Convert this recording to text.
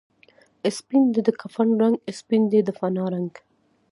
سپین دی د کفن رنګ، سپین دی د فنا رنګ